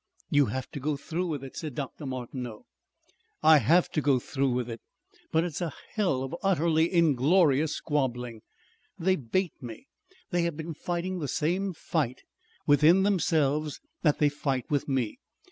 "You have to go through with it," said Dr. Martineau. "I have to go through with it, but it's a hell of utterly inglorious squabbling. They bait me. They have been fighting the same fight within themselves that they fight with me.